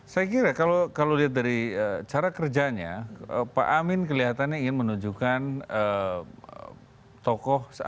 saya kira kalau lihat dari cara kerjanya pak amin kelihatannya ingin menunjukkan tokoh